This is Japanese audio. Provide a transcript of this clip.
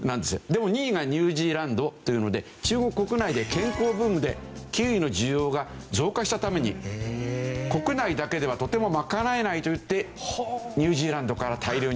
でも２位がニュージーランドというので中国国内で健康ブームでキウイの需要が増加したために国内だけではとても賄えないといってニュージーランドから大量に輸入するようになったと。